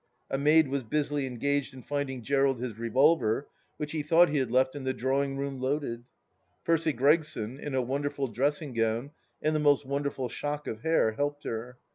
A maid was busily engaged in folding (Jerald his revolver, which he thought he had left in the drawing room loaded. Percy Gregson, ina wonderful dressing gown and the most wonder ful shock of hair, helped her.